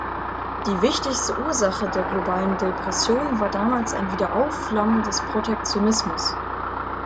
Die wichtigste Ursache der globalen Depression war damals ein Wiederaufflammen des Protektionismus.